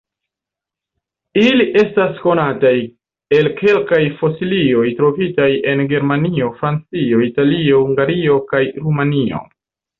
Ili estas konataj el kelkaj fosilioj trovitaj en Germanio, Francio, Italio, Hungario kaj Rumanio.